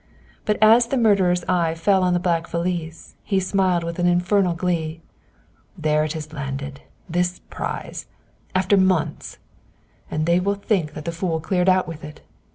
But as the murderer's eye fell on the black valise, he smiled with an infernal glee. "There it is landed this prize after months! "And they will think that the fool cleared out with it.